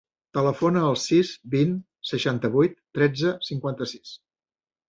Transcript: Telefona al sis, vint, seixanta-vuit, tretze, cinquanta-sis.